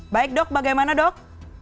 baik dok bagaimana dok